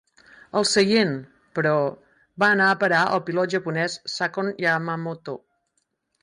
El seient, però, va anar a parar al pilot japonès Sakon Yamamoto.